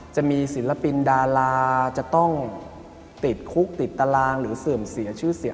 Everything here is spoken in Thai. จะมีศิลปินดาราจะต้องติดคุกติดตารางหรือเสื่อมเสียชื่อเสียง